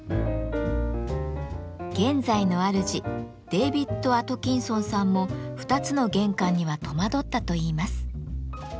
現在のあるじデービッド・アトキンソンさんも２つの玄関には戸惑ったといいます。